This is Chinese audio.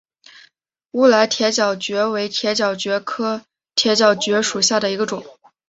乌来铁角蕨为铁角蕨科铁角蕨属下的一个种。